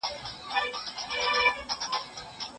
زوړ مطرب به بیرته ځوان وي ته به یې او زه به نه یم